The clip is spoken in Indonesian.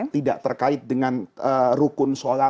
tidak terkait dengan rukun sholat